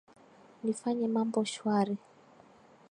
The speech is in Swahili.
nifanye mambo shwari